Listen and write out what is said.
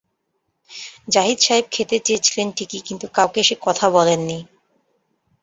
জাহিদ সাহেব খেতে চেয়েছিলেন ঠিকই, কিন্তু কাউকে সে-কথা বলেন নি।